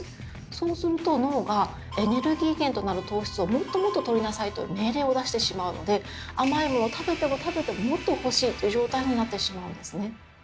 そうすると脳が「エネルギー源となる糖質をもっともっととりなさい」と命令を出してしまうので甘いものを食べても食べてももっと欲しいという状態になってしまうんですね。